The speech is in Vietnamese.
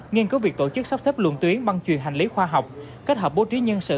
nghiên cứu việc tổ chức sắp xếp luận tuyến băng truyền hành lý khoa học kết hợp bố trí nhân sự